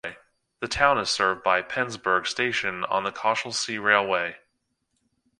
The town is served by Penzberg station on the Kochelsee Railway.